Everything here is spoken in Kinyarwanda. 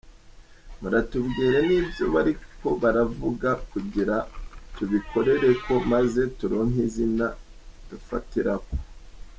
"Muratubwire n'ivyo bariko baravuga kugira tubikorereko maze turonke inzira dufatirako".